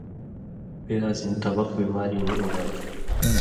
پیاز ہِن طبق بیماری ایں علاج